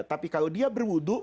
tapi kalau dia berwudu